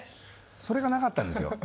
それがなかったんですよ。